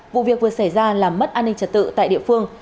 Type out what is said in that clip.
vụ việc vừa xảy ra làm mất an ninh trật tự tại địa phương